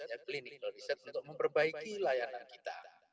ya clinik riset untuk memperbaiki layanan kita